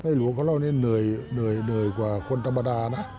หลวงเขาเล่านี่เหนื่อยกว่าคนธรรมดานะ